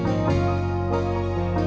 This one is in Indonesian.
nanti kita berjalan